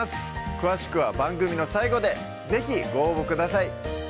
詳しくは番組の最後で是非ご応募ください